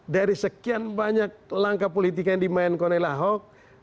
dari sekian banyak langkah politik yang dimainkan oleh ahok